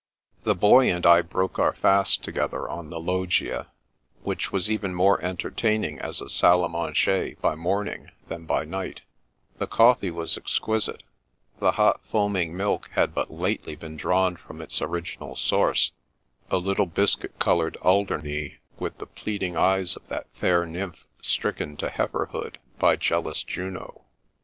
The Boy and I broke our fast together on the loggia, which was even more entertaining as a salle drmanger by morning than by night The coffee was exquisite ; the hot, foaming milk had but lately been drawn from its original source, a little biscuit coloured Aldemey with the pleading eyes of that fair nymph stricken to heiferhood by jealous Juno.